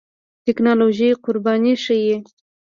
ټېکنالوژي قرباني شي.